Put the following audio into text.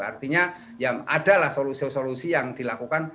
artinya ya adalah solusi solusi yang dilakukan